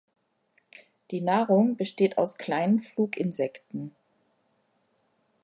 Die Nahrung besteht aus kleinen Fluginsekten.